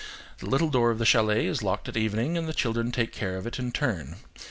The little door of the chalet is locked at evening, and the children take care of it in turn.